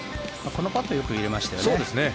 このパットはよく入れましたね。